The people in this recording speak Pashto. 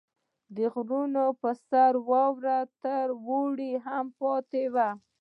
• د غرونو په سر واوره تر اوړي هم پاتې وي.